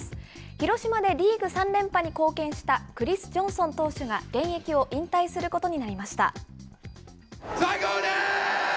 広島でリーグ３連覇に貢献した、クリス・ジョンソン投手が現役を引退することになりました。